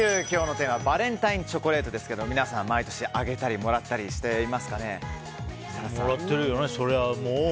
今日のテーマはバレンタインチョコレートですが皆さん、毎年あげたりもらったりしていますかね？